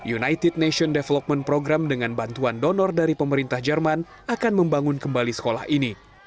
united nation development program dengan bantuan donor dari pemerintah jerman akan membangun kembali sekolah ini